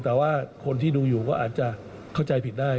แต่ว่าคนที่ดูอยู่ก็อาจจะเข้าใจผิดได้